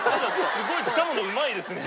すごいつかむのうまいですね。